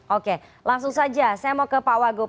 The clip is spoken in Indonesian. oke langsung saja saya mau ke pak wagub